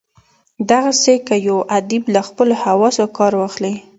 دغسي که یو ادیب له خپلو حواسو کار واخلي.